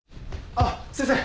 あっ先生。